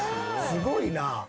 すごいな。